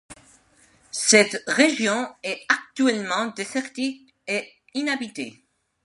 Cette région est actuellement désertique et inhabitée.